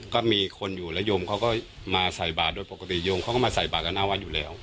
ก็มีคนอยู่แล้วโยมเขาก็มาใส่บาทโดยปกติโยมเขาก็มาใส่บาทกับหน้าวัดอยู่แล้ว